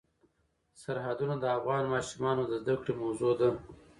سرحدونه د افغان ماشومانو د زده کړې موضوع ده.